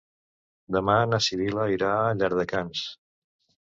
Demà na Sibil·la irà a Llardecans.